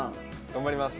頑張ります！